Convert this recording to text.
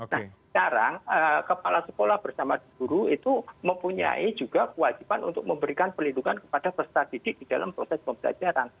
nah sekarang kepala sekolah bersama guru itu mempunyai juga kewajiban untuk memberikan pelindungan kepada peserta didik di dalam proses pembelajaran